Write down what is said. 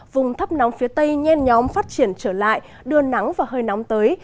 vùng thấp nóng phía tây nhen nhóm phát triển trở lại đưa nắng và hơi nóng tới